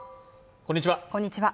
こんにちは